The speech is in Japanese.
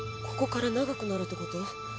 ここから長くなるってこと？